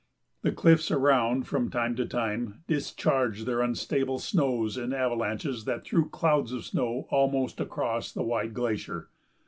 The cliffs around from time to time discharged their unstable snows in avalanches that threw clouds of snow almost across the wide glacier.